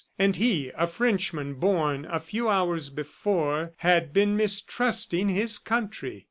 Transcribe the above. And he, a Frenchman born, a few hours before, had been mistrusting his country!